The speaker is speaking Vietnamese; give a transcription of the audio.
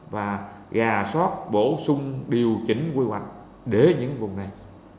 là rà soát bổ sung điều chỉnh quy hoạch để những vùng này